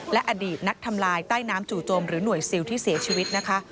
และอดีตนักทำลายใต้น้ำจู่จมหรือหน่วยซิลที่เสียชีวิตนะคะ